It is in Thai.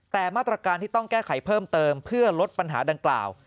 แต่มาตรการที่ต้องแก้ไขเพิ่มเติมเพื่อลดปัญหาดังกล่าว